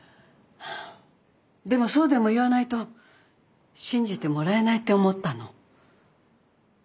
でもそうでも言わないと信じてもらえないって思ったの。